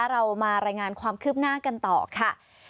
เรามารายงานความคืบหน้ากันต่อค่ะ